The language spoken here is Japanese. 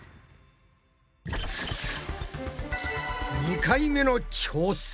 ２回目の挑戦。